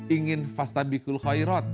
ingin fastabikul khairat